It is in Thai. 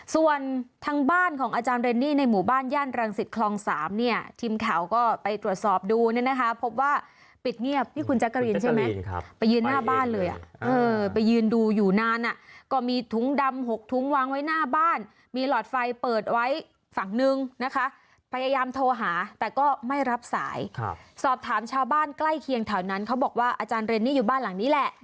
ส่วนทางบ้านของอาจารย์เรนนี่ในหมู่บ้านย่านรังศิษย์คลอง๓เนี่ยทีมข่าวก็ไปตรวจสอบดูเนี่ยนะคะพบว่าปิดเงียบนี่คุณจักรีนใช่ไหมไปยืนหน้าบ้านเลยอะไปยืนดูอยู่นานอะก็มีถุงดำ๖ถุงวางไว้หน้าบ้านมีหลอดไฟเปิดไว้ฝั่งนึงนะคะพยายามโทรหาแต่ก็ไม่รับสายสอบถามชาวบ้านใกล้เคียงแถวนั้